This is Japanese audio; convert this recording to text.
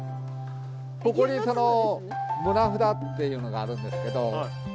ここにその棟札っていうのがあるんですけど。